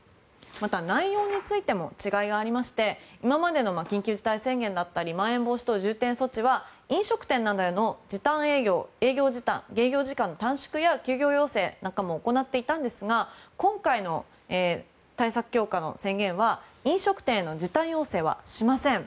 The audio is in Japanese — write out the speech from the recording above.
また内容についても違いがありまして今までの緊急事態宣言だったりまん延防止等重点措置は飲食店などの時短営業営業時間の短縮や休業要請なんかも行っていたんですが今回の対策強化の宣言は飲食店の時短要請はしません。